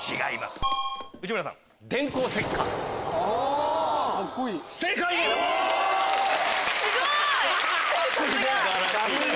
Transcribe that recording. すごい！